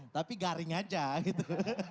tapi garing aja gitu